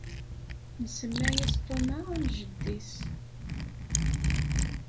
Nsemma-as Thomas, am jeddi-s.